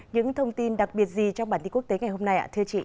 những thông tin đặc biệt gì trong bản tin quốc tế ngày hôm nay